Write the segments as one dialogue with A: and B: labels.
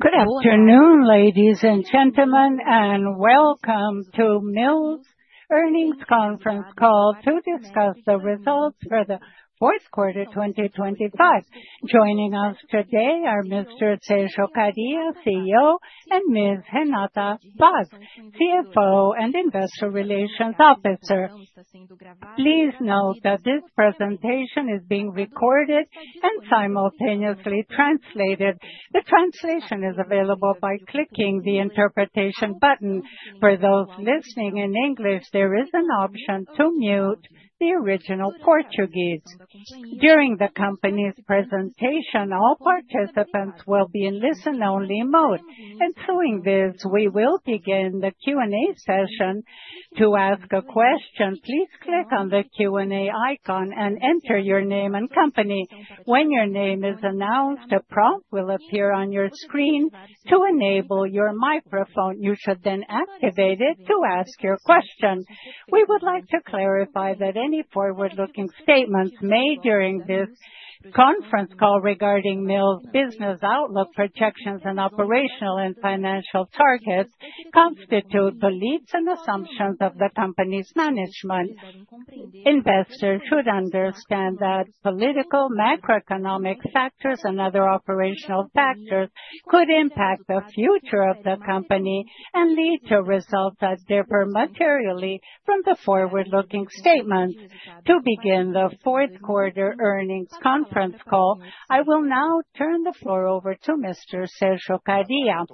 A: Good afternoon, ladies and gentlemen, and welcome to Mills earnings conference call to discuss the results for the fourth quarter, 2025. Joining us today are Mr. Sergio Kariya, CEO, and Ms. Renata Vaz, CFO and Investor Relations Officer. Please note that this presentation is being recorded and simultaneously translated. The translation is available by clicking the Interpretation button. For those listening in English, there is an option to mute the original Portuguese. During the company's presentation, all participants will be in listen-only mode. Following this, we will begin the Q&A session. To ask a question, please click on the Q&A icon and enter your name and company. When your name is announced, a prompt will appear on your screen to enable your microphone. You should then activate it to ask your question. We would like to clarify that any forward-looking statements made during this conference call regarding Mills' business outlook, projections, and operational and financial targets constitute beliefs and assumptions of the company's management. Investors should understand that political, macroeconomic factors, and other operational factors could impact the future of the company and lead to results that differ materially from the forward-looking statements. To begin the fourth quarter earnings conference call, I will now turn the floor over to Mr. Sergio Kariya.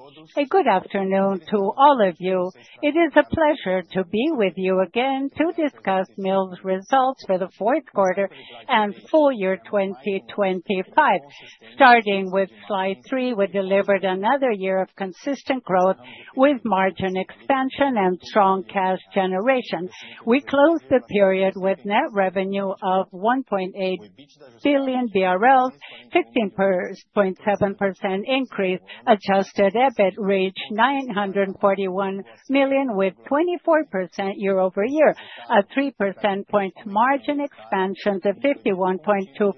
B: Good afternoon to all of you. It is a pleasure to be with you again to discuss Mills' results for the fourth quarter and full year 2025. Starting with slide 3, we delivered another year of consistent growth with margin expansion and strong cash generation. We closed the period with net revenue of 1.8 billion BRL, 15.7% increase. Adjusted EBIT reached 941 million with 24% year-over-year, a three percentage point margin expansion to 51.2%.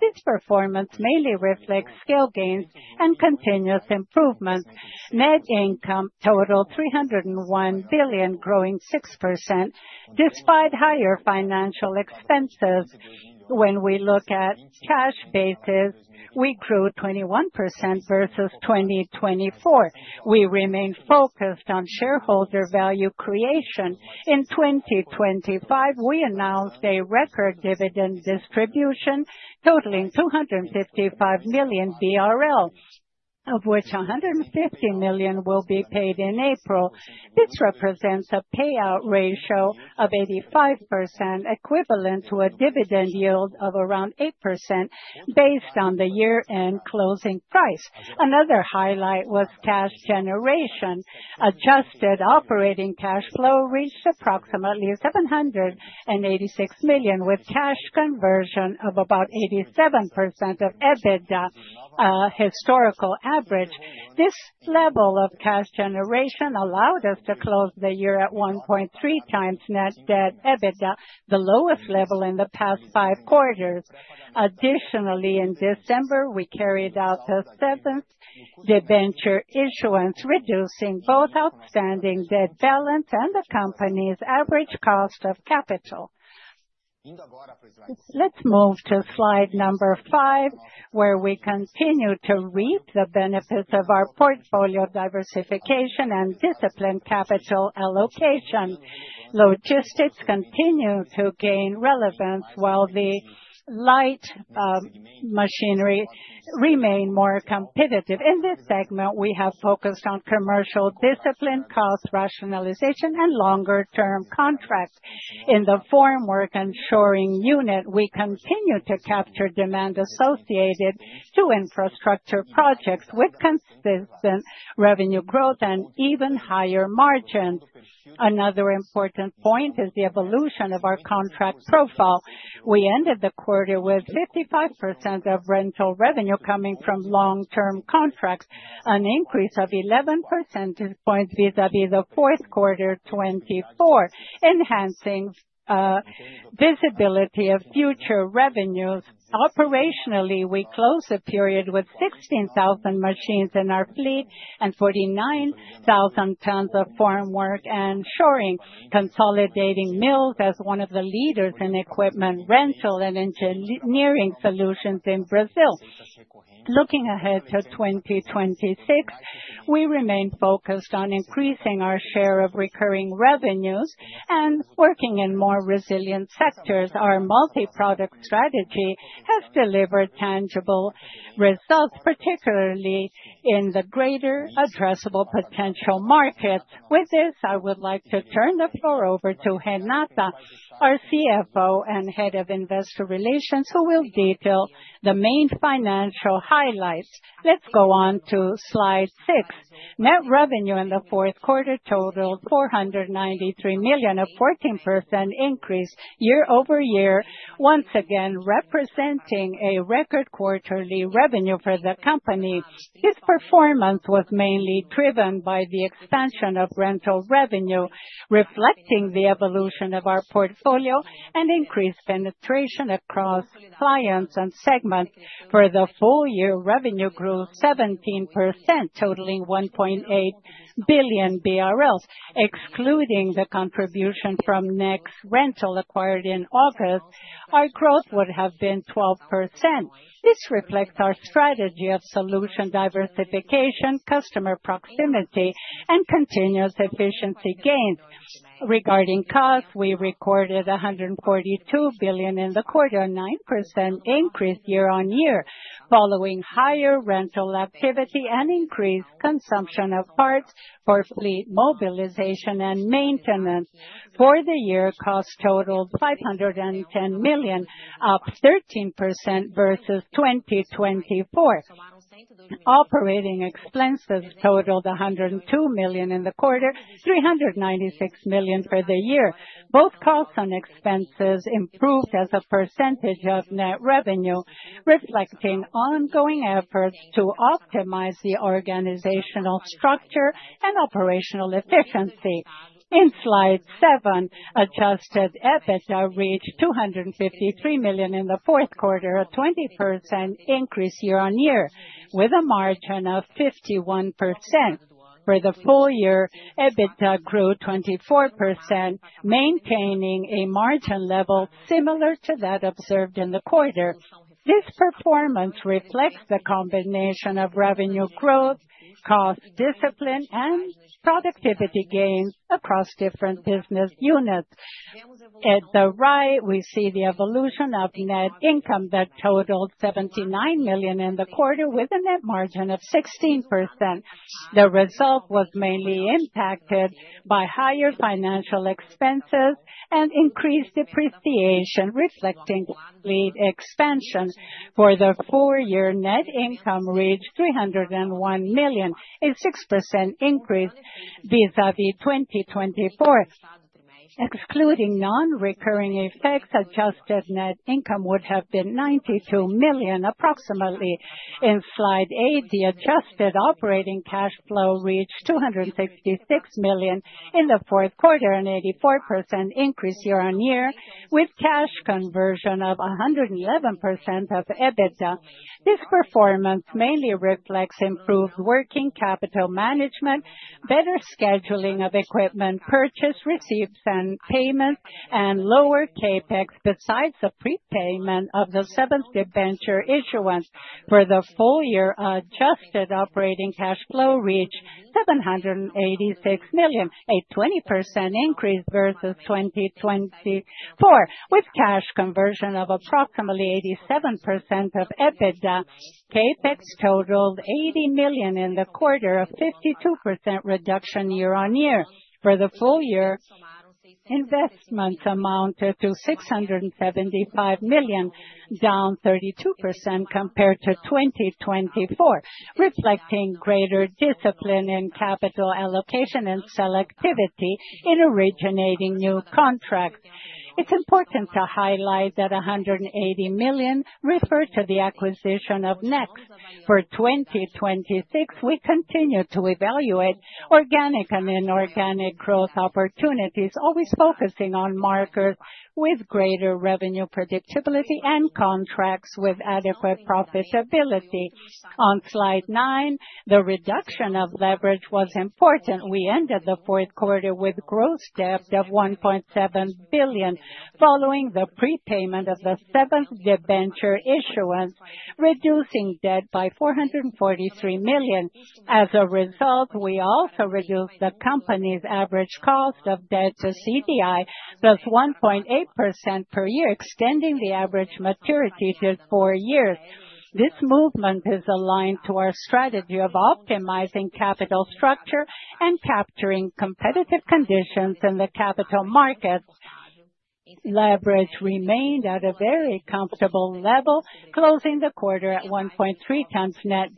B: This performance mainly reflects scale gains and continuous improvements. Net income totaled 301 billion, growing 6% despite higher financial expenses. When we look at cash basis, we grew 21% versus 2024. We remain focused on shareholder value creation. In 2025, we announced a record dividend distribution totaling 255 million BRL, of which 150 million will be paid in April. This represents a payout ratio of 85% equivalent to a dividend yield of around 8% based on the year-end closing price. Another highlight was cash generation. Adjusted operating cash flow reached approximately 786 million, with cash conversion of about 87% of EBITDA, historical average. This level of cash generation allowed us to close the year at 1.3 times Net Debt/EBITDA, the lowest level in the past five quarters. Additionally, in December, we carried out the seventh debenture issuance, reducing both outstanding debt balance and the company's average cost of capital. Let's move to slide number 5, where we continue to reap the benefits of our portfolio diversification and disciplined capital allocation. Logistics continue to gain relevance while the light machinery remain more competitive. In this segment, we have focused on commercial discipline, cost rationalization, and longer-term contracts. In the formwork and shoring unit, we continue to capture demand associated to infrastructure projects with consistent revenue growth and even higher margins. Another important point is the evolution of our contract profile. We ended the quarter with 55% of rental revenue coming from long-term contracts, an increase of 11% points vis-à-vis the fourth quarter 2024, enhancing visibility of future revenues. Operationally, we closed the period with 16,000 machines in our fleet and 49,000 tons of formwork and shoring, consolidating Mills as one of the leaders in equipment rental and engineering solutions in Brazil. Looking ahead to 2026, we remain focused on increasing our share of recurring revenues and working in more resilient sectors. Our multi-product strategy has delivered tangible results, particularly in the greater addressable potential market. With this, I would like to turn the floor over to Renata, our CFO and Head of Investor Relations, who will detail the main financial highlights.
C: Let's go on to slide 6. Net revenue in the fourth quarter totaled 493 million, a 14% increase year-over-year, once again representing a record quarterly revenue for the company. This performance was mainly driven by the expansion of rental revenue, reflecting the evolution of our portfolio and increased penetration across clients and segments. For the full year, revenue grew 17%, totaling 1.8 billion BRL. Excluding the contribution from Nex Rental acquired in August, our growth would have been 12%. This reflects our strategy of solution diversification, customer proximity, and continuous efficiency gains. Regarding costs, we recorded 142 million in the quarter, a 9% increase year-over-year. Following higher rental activity and increased consumption of parts for fleet mobilization and maintenance for the year cost totaled 510 million, up 13% versus 2024. Operating expenses totaled 102 million in the quarter, 396 million for the year. Both costs and expenses improved as a percentage of net revenue, reflecting ongoing efforts to optimize the organizational structure and operational efficiency. In slide 7, Adjusted EBITDA reached 253 million in the fourth quarter, a 20% increase year-on-year with a margin of 51%. For the full year, EBITDA grew 24%, maintaining a margin level similar to that observed in the quarter. This performance reflects the combination of revenue growth, cost discipline, and productivity gains across different business units. At the right, we see the evolution of net income that totaled 79 million in the quarter with a net margin of 16%. The result was mainly impacted by higher financial expenses and increased depreciation, reflecting fleet expansion. For the full year, net income reached 301 million, a 6% increase vis-a-vis 2024. Excluding non-recurring effects, adjusted net income would have been 92 million approximately. In slide 8, the adjusted operating cash flow reached 266 million in the fourth quarter, an 84% increase year-on-year with cash conversion of 111% of EBITDA. This performance mainly reflects improved working capital management, better scheduling of equipment purchase, receipts and payments, and lower CapEx besides the prepayment of the seventh debenture issuance. For the full year, adjusted operating cash flow reached 786 million, a 20% increase versus 2024, with cash conversion of approximately 87% of EBITDA. CapEx totaled 80 million in the quarter, a 52% reduction year-on-year. For the full year, investments amounted to 675 million, down 32% compared to 2024, reflecting greater discipline in capital allocation and selectivity in originating new contracts. It's important to highlight that 180 million refer to the acquisition of Nex Rental. For 2026, we continue to evaluate organic and inorganic growth opportunities, always focusing on markets with greater revenue predictability and contracts with adequate profitability. On slide 9, the reduction of leverage was important. We ended the fourth quarter with gross debt of 1.7 billion, following the prepayment of the seventh debenture issuance, reducing debt by 443 million. As a result, we also reduced the company's average cost of debt to CDI +1.8% per year, extending the average maturity to four years. This movement is aligned to our strategy of optimizing capital structure and capturing competitive conditions in the capital markets. Leverage remained at a very comfortable level, closing the quarter at 1.3 times net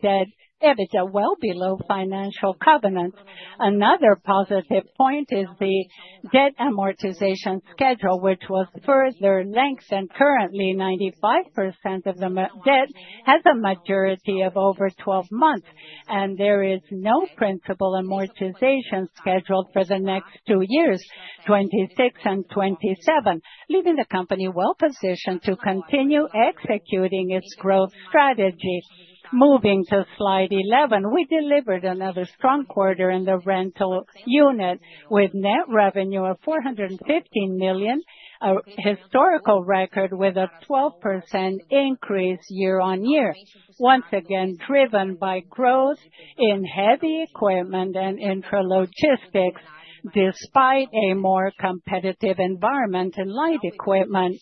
C: debt/EBITDA well below financial covenants. Another positive point is the debt amortization schedule, which was further lengthened. Currently, 95% of the debt has a maturity of over 12 months, and there is no principal amortization scheduled for the next two years, 2026 and 2027, leaving the company well-positioned to continue executing its growth strategy. Moving to slide 11. We delivered another strong quarter in the rental unit with net revenue of 415 million, a historical record with a 12% increase year-on-year, once again driven by growth in heavy equipment and intralogistics, despite a more competitive environment in light equipment.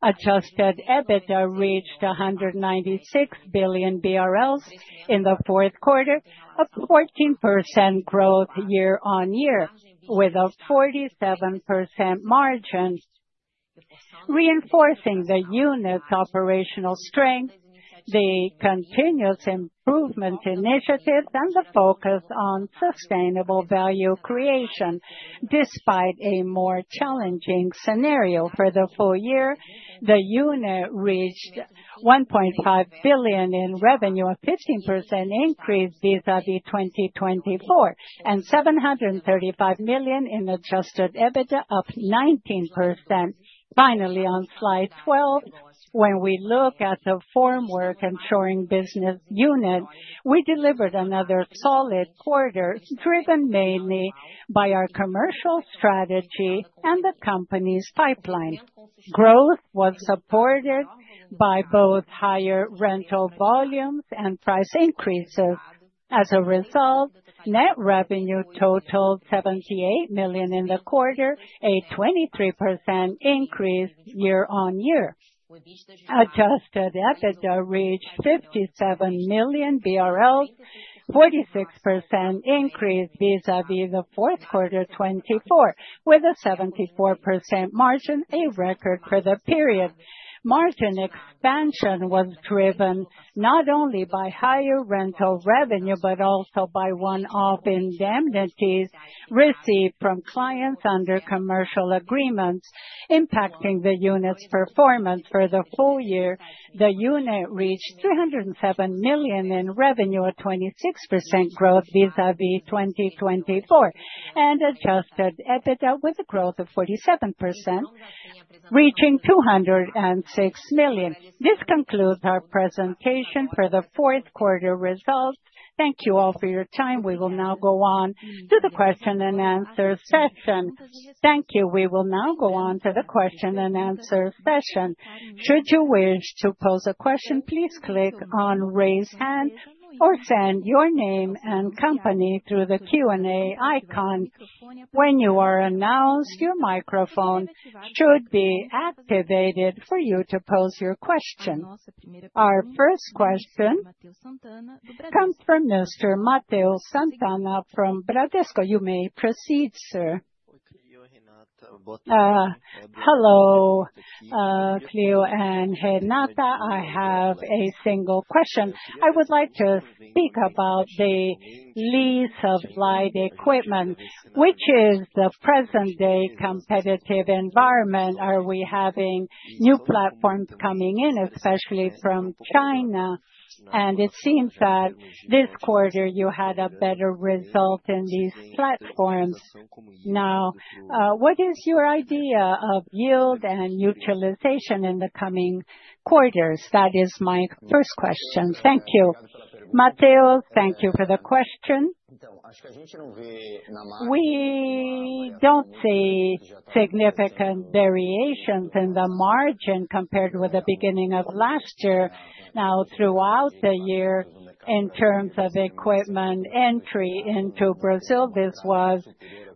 C: Adjusted EBITDA reached 196 billion BRL in the fourth quarter, a 14% growth year-on-year with a 47% margin, reinforcing the unit's operational strength, the continuous improvement initiatives, and the focus on sustainable value creation despite a more challenging scenario. For the full year, the unit reached 1.5 billion in revenue, a 15% increase vis-a-vis 2024, and 735 million in Adjusted EBITDA, up 19%. Finally, on slide 12, when we look at the formwork and shoring business unit, we delivered another solid quarter, driven mainly by our commercial strategy and the company's pipeline. Growth was supported by both higher rental volumes and price increases. As a result, net revenue totaled 78 million in the quarter, a 23% increase year-on-year. Adjusted EBITDA reached 57 million BRL, 46% increase vis-à-vis the fourth quarter 2024, with a 74% margin, a record for the period. Margin expansion was driven not only by higher rental revenue, but also by one-off indemnities received from clients under commercial agreements impacting the unit's performance. For the full year, the unit reached 307 million in revenue at 26% growth vis-à-vis 2024. Adjusted EBITDA with a growth of 47%, reaching 206 million. This concludes our presentation for the fourth quarter results. Thank you all for your time. We will now go on to the question-and-answer session.
A: Thank you. We will now go on to the question-and-answer session. Should you wish to pose a question, please click on Raise Hand or send your name and company through the Q&A icon. When you are announced, your microphone should be activated for you to pose your question. Our first question comes from Mr. Matheus Sant'Anna from Bradesco. You may proceed, sir.
D: Hello, Sergio Kariya and Renata Vaz. I have a single question. I would like to speak about the lease of light equipment, which is the present day competitive environment. Are we having new platforms coming in, especially from China? And it seems that this quarter you had a better result in these platforms. Now, what is your idea of yield and utilization in the coming quarters? That is my first question. Thank you.
B: Matheus, thank you for the question. We don't see significant variations in the margin compared with the beginning of last year. Now, throughout the year, in terms of equipment entry into Brazil, this was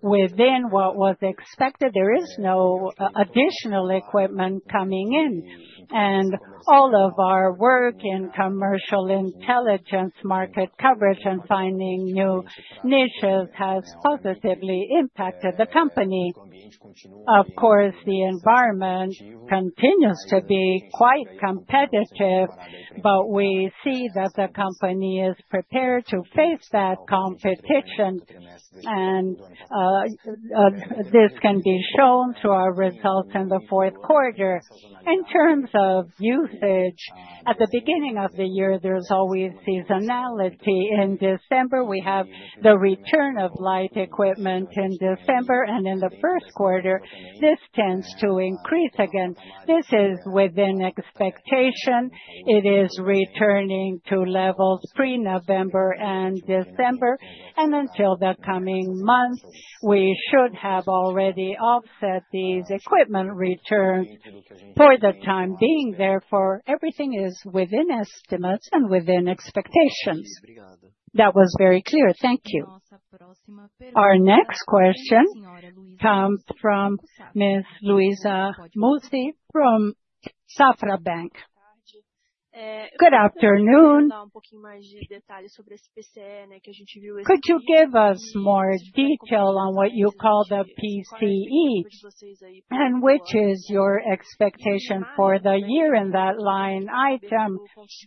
B: within what was expected. There is no additional equipment coming in, and all of our work in commercial intelligence, market coverage, and finding new niches has positively impacted the company. Of course, the environment continues to be quite competitive, but we see that the company is prepared to face that competition. This can be shown through our results in the fourth quarter. In terms of usage, at the beginning of the year, there's always seasonality. In December, we have the return of light equipment in December, and in the first quarter this tends to increase again. This is within expectation. It is returning to levels pre-November and December. Until the coming months, we should have already offset these equipment return. For the time being, therefore, everything is within estimates and within expectations.
D: That was very clear. Thank you.
A: Our next question comes from Ms. Luiza Mussi from Banco Safra.
E: Good afternoon. Could you give us more detail on what you call the PCLD? And which is your expectation for the year in that line item,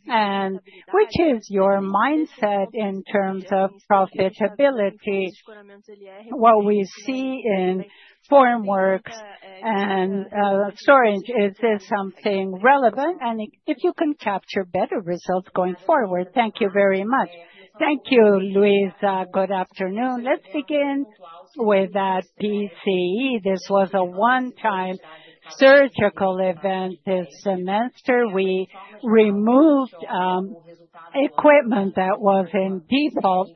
E: and which is your mindset in terms of profitability? What we see in formwork and shoring, is this something relevant? And if you can capture better results going forward? Thank you very much.
B: Thank you, Luiza. Good afternoon. Let's begin with that PCLD. This was a one-time surgical event this semester. We removed equipment that was in default.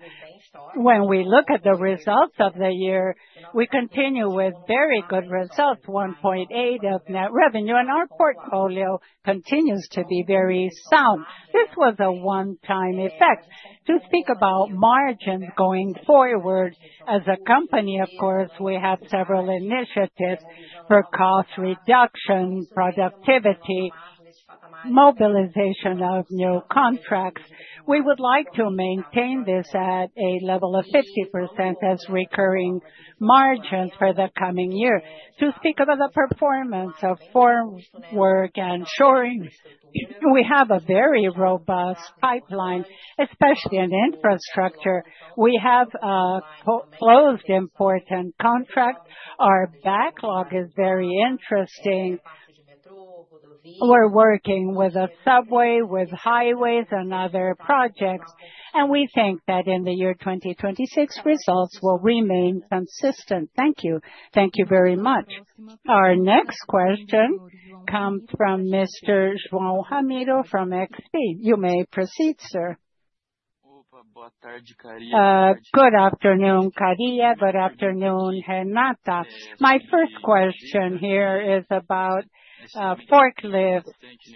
B: When we look at the results of the year, we continue with very good results, 1.8% of net revenue, and our portfolio continues to be very sound. This was a one-time effect. To speak about margins going forward, as a company, of course, we have several initiatives for cost reduction, productivity, mobilization of new contracts. We would like to maintain this at a level of 50% as recurring margins for the coming year. To speak about the performance of formwork and shoring, we have a very robust pipeline, especially in infrastructure. We have closed important contracts. Our backlog is very interesting. We're working with a subway, with highways and other projects, and we think that in the year 2026, results will remain consistent. Thank you.
A: Thank you very much. Our next question comes from Mr. João Ramiro from XP. You may proceed, sir.
F: Good afternoon, Kariya. Good afternoon, Renata. My first question here is about forklift.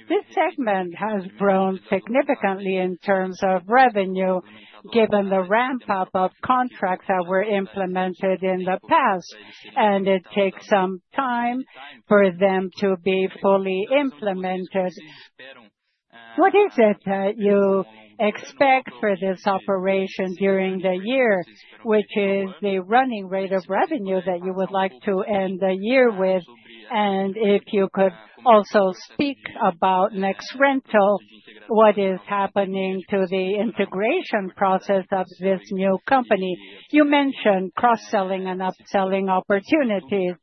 F: This segment has grown significantly in terms of revenue, given the ramp up of contracts that were implemented in the past, and it takes some time for them to be fully implemented. What is it that you expect for this operation during the year, which is the running rate of revenue that you would like to end the year with? If you could also speak about Nex Rental, what is happening to the integration process of this new company? You mentioned cross-selling and upselling opportunities.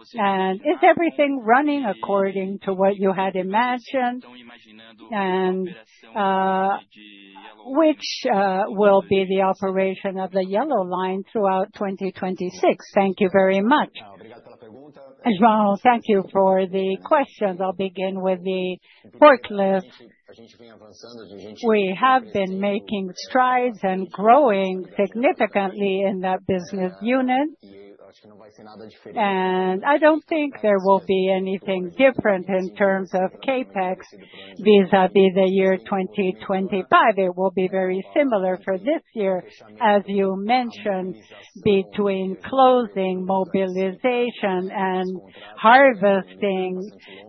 F: Is everything running according to what you had imagined? Which will be the operation of the Yellow Line throughout 2026. Thank you very much.
B: João, thank you for the question. I'll begin with the forklift. We have been making strides and growing significantly in that business unit. I don't think there will be anything different in terms of CapEx vis-à-vis the year 2025. It will be very similar for this year. As you mentioned, between closing mobilization and harvesting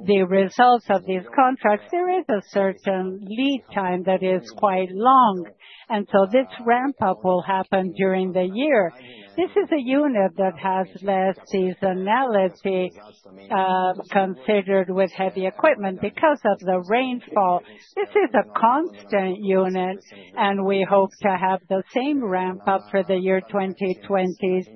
B: the results of these contracts, there is a certain lead time that is quite long, and so this ramp up will happen during the year. This is a unit that has less seasonality, considered with heavy equipment because of the rainfall. This is a constant unit, and we hope to have the same ramp up for the year 2026.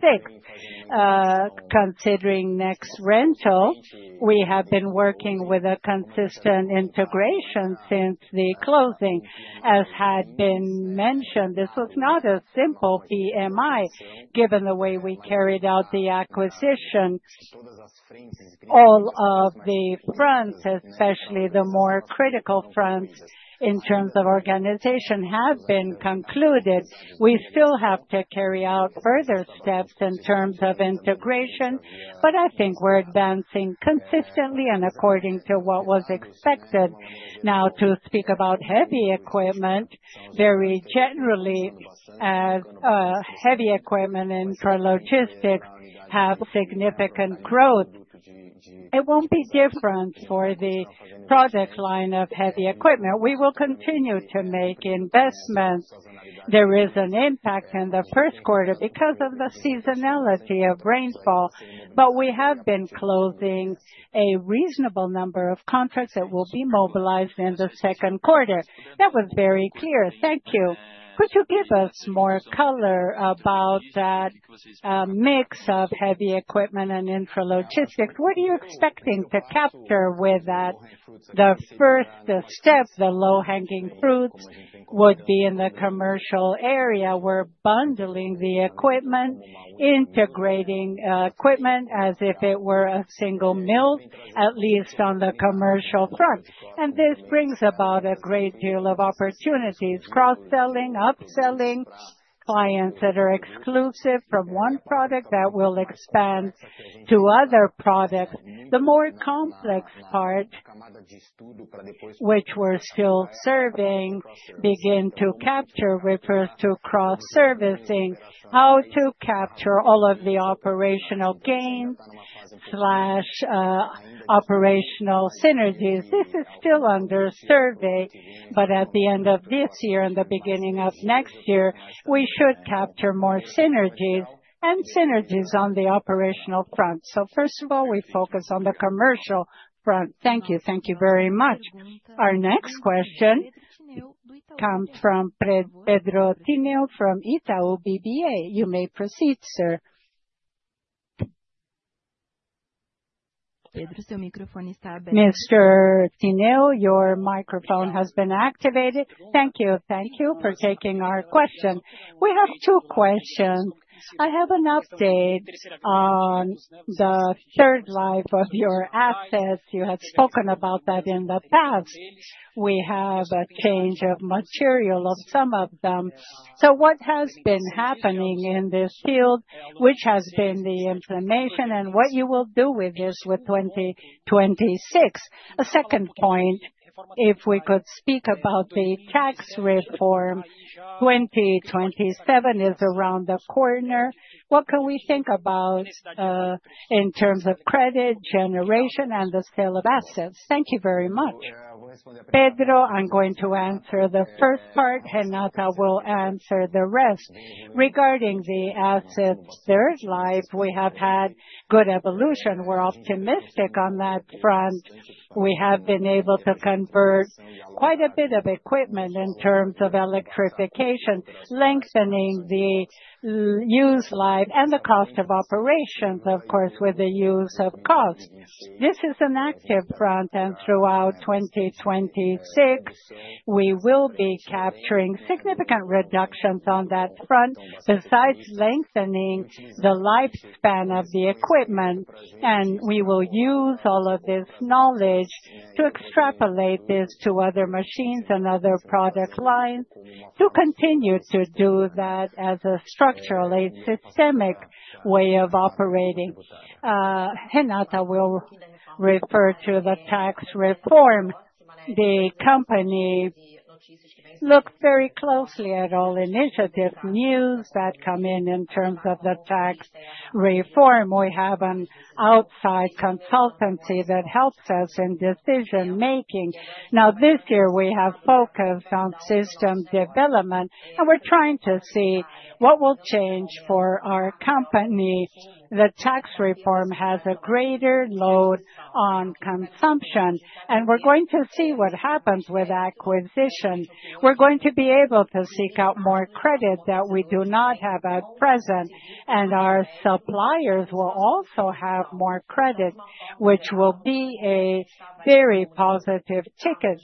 B: Considering Nex Rental, we have been working with a consistent integration since the closing. As had been mentioned, this was not a simple PMI, given the way we carried out the acquisition. All of the fronts, especially the more critical fronts in terms of organization, have been concluded. We still have to carry out further steps in terms of integration, but I think we're advancing consistently and according to what was expected. Now to speak about heavy equipment, very generally as, heavy equipment intralogistics have significant growth. It won't be different for the product line of heavy equipment. We will continue to make investments. There is an impact in the first quarter because of the seasonality of rainfall, but we have been closing a reasonable number of contracts that will be mobilized in the second quarter.
F: That was very clear. Thank you. Could you give us more color about that, mix of heavy equipment and intralogistics? What are you expecting to capture with that?
B: The first step, the low-hanging fruits would be in the commercial area. We're bundling the equipment, integrating, equipment as if it were a single Mills, at least on the commercial front. This brings about a great deal of opportunities, cross-selling, upselling clients that are exclusive from one product that will expand to other products. The more complex part, which we're still striving to begin to capture, refers to cross-selling. How to capture all of the operational gains/operational synergies. This is still under review, but at the end of this year and the beginning of next year, we should capture more synergies on the operational front. First of all, we focus on the commercial front.
F: Thank you.
A: Thank you very much. Our next question comes from Pedro Tíneo from Itaú BBA. You may proceed, sir. Mr. Tíneo, your microphone has been activated.
G: Thank you. Thank you for taking our question. We have two questions. I'd like an update on the third life of your assets. You have spoken about that in the past. We have a change of material of some of them. What has been happening in this field, which has been the inflation, and what you will do with this with 2026. A second point, if we could speak about the tax reform. 2027 is around the corner. What can we think about in terms of credit generation and the sale of assets? Thank you very much.
B: Pedro, I'm going to answer the first part. Renata will answer the rest. Regarding the assets, third life, we have had good evolution. We're optimistic on that front. We have been able to convert quite a bit of equipment in terms of electrification, lengthening the useful life and reducing the cost of operations, of course, with the reduction of costs. This is an active front, and throughout 2026, we will be capturing significant reductions on that front, besides lengthening the lifespan of the equipment. We will use all of this knowledge to extrapolate this to other machines and other product lines to continue to do that as a structurally systemic way of operating. Renata will refer to the tax reform.
C: The company looks very closely at all initiative news that come in terms of the tax reform. We have an outside consultancy that helps us in decision making. Now this year we have focused on system development, and we're trying to see what will change for our company. The tax reform has a greater load on consumption, and we're going to see what happens with acquisition. We're going to be able to seek out more credit that we do not have at present, and our suppliers will also have more credit, which will be a very positive effect.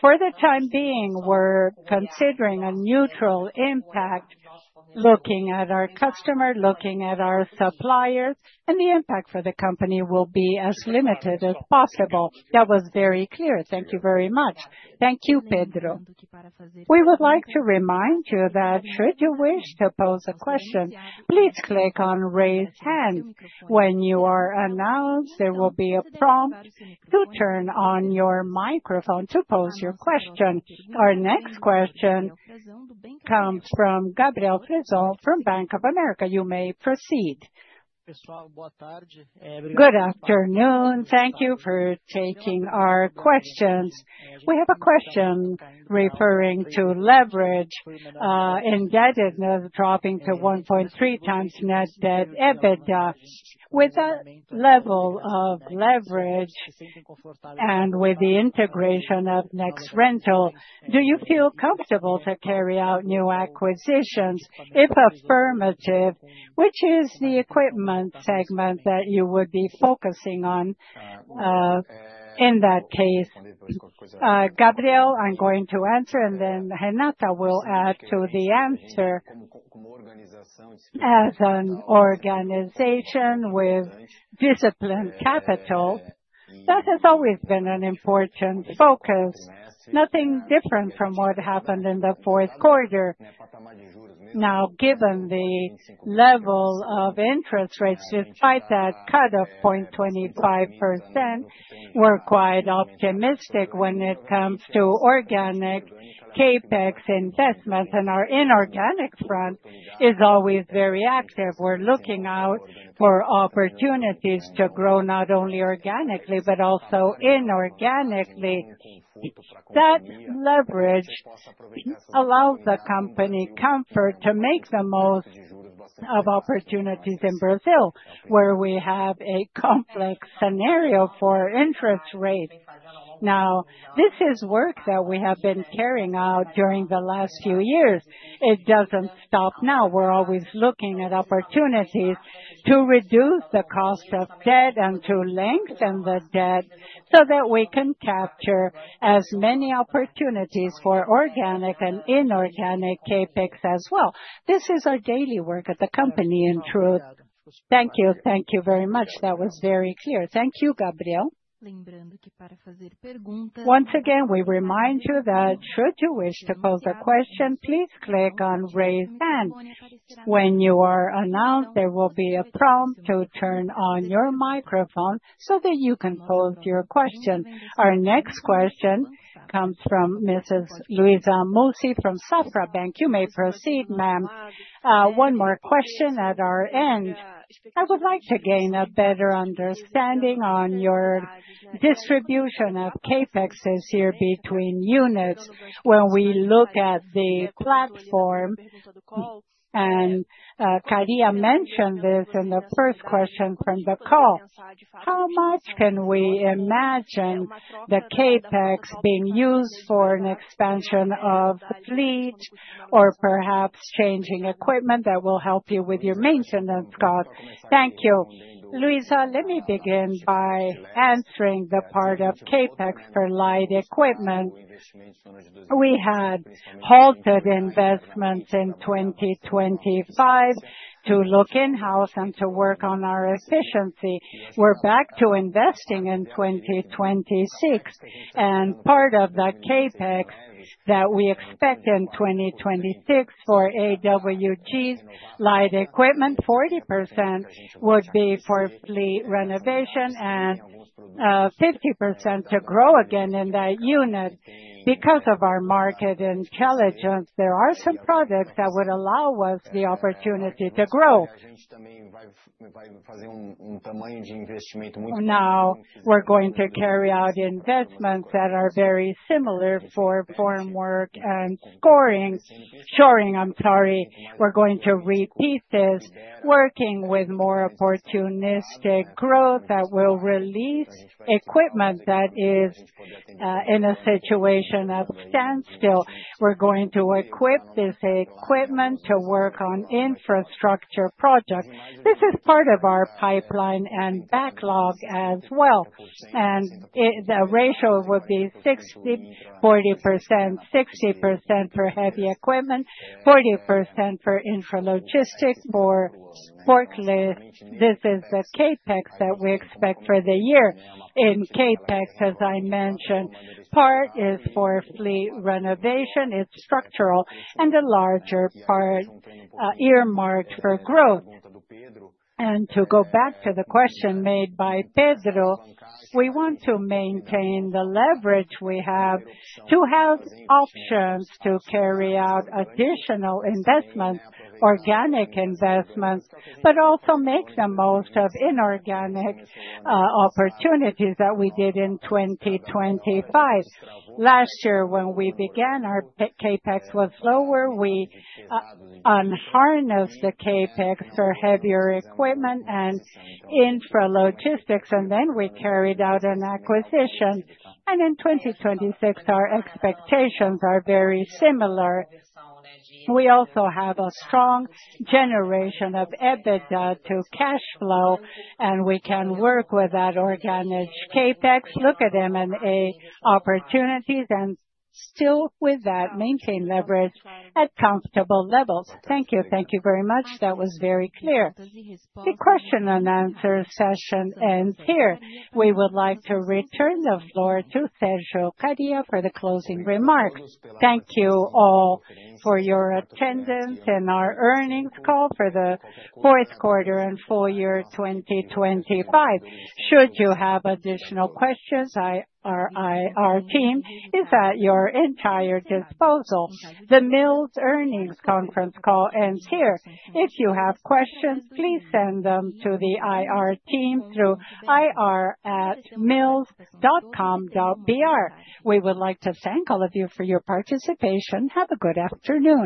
C: For the time being, we're considering a neutral impact, looking at our customer, looking at our suppliers, and the impact for the company will be as limited as possible.
G: That was very clear. Thank you very much.
B: Thank you, Pedro.
A: We would like to remind you that should you wish to pose a question, please click on Raise Hand. When you are announced, there will be a prompt to turn on your microphone to pose your question. Our next question comes from Gabriel Frazao from Bank of America. You may proceed.
H: Good afternoon. Thank you for taking our questions. We have a question referring to leverage, indebtedness dropping to 1.3 times Net Debt/EBITDA. With that level of leverage and with the integration of Nex Rental, do you feel comfortable to carry out new acquisitions? If affirmative, which is the equipment segment that you would be focusing on, in that case?
B: Gabriel, I'm going to answer, and then Renata will add to the answer. As an organization with disciplined capital, that has always been an important focus. Nothing different from what happened in the fourth quarter. Now, given the level of interest rates, despite that cut of 0.25%, we're quite optimistic when it comes to organic CapEx investments. Our inorganic front is always very active. We're looking out for opportunities to grow not only organically but also inorganically. That leverage allows the company comfort to make the most of opportunities in Brazil, where we have a complex scenario for interest rates. Now, this is work that we have been carrying out during the last few years. It doesn't stop now. We're always looking at opportunities to reduce the cost of debt and to lengthen the debt so that we can capture as many opportunities for organic and inorganic CapEx as well. This is our daily work at the company, in truth.
H: Thank you. Thank you very much. That was very clear.
B: Thank you, Gabriel.
A: Once again, we remind you that should you wish to pose a question, please click on Raise Hand. When you are announced, there will be a prompt to turn on your microphone so that you can pose your question. Our next question comes from Mrs. Luiza Mussi from Banco Safra. You may proceed, ma'am.
E: One more question at our end. I would like to gain a better understanding on your distribution of CapEx this year between units. When we look at the platform, and Kariya mentioned this in the first question from the call. How much can we imagine the CapEx being used for an expansion of the fleet or perhaps changing equipment that will help you with your maintenance cost? Thank you.
B: Luiza, let me begin by answering the part of CapEx for light equipment. We had halted investments in 2025 to look in-house and to work on our efficiency. We're back to investing in 2026, and part of that CapEx that we expect in 2026 for AWP's light equipment, 40% would be for fleet renovation and, 50% to grow again in that unit. Because of our market intelligence, there are some products that would allow us the opportunity to grow. Now we're going to carry out investments that are very similar for formwork and shoring, I'm sorry. We're going to repeat this, working with more opportunistic growth that will release equipment that is in a situation of standstill. We're going to equip this equipment to work on infrastructure projects. This is part of our pipeline and backlog as well. The ratio would be 60%-40%. 60% for heavy equipment, 40% for intralogistics, for forklifts. This is the CapEx that we expect for the year. In CapEx, as I mentioned, part is for fleet renovation, it's structural, and a larger part earmarked for growth. To go back to the question made by Pedro, we want to maintain the leverage we have to have options to carry out additional investments, organic investments, but also make the most of inorganic opportunities that we did in 2025. Last year when we began, our CapEx was lower. We harnessed the CapEx for heavy equipment and intralogistics, and then we carried out an acquisition. In 2026, our expectations are very similar. We also have a strong generation of EBITDA to cash flow, and we can work with that organic CapEx, look at M&A opportunities, and still with that, maintain leverage at comfortable levels. Thank you.
E: Thank you very much. That was very clear.
A: The question-and-answer session ends here. We would like to return the floor to Sergio Kariya for the closing remarks.
B: Thank you all for your attendance in our earnings call for the fourth quarter and full year 2025. Should you have additional questions, our IR team is at your entire disposal. The Mills Earnings Conference Call ends here. If you have questions, please send them to the IR team through ri@mills.com.br. We would like to thank all of you for your participation. Have a good afternoon.